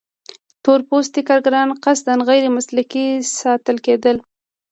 تور پوستي کارګران قصداً غیر مسلکي ساتل کېدل.